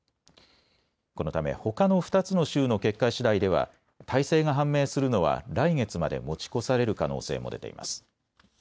このため、ほかの２つの州の結果しだいでは大勢が判明するのは来月まで持ち越される可能性も出ています。